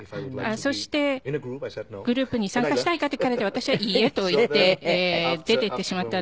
そして「グループに参加したいか？」と聞かれて私は「いいえ」と言って出て行ってしまったんです。